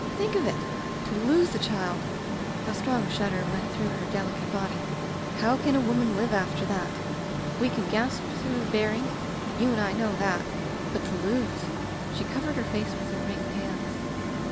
Think of it! To lose a child —" A strong shudder went through her delicate body. "How can a woman live after that? We can gasp through the bearing — you and I know that — ^but to lose —" She covered her face with her ringed hands.